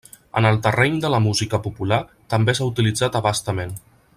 En el terreny de la música popular també s'ha utilitzat a bastament.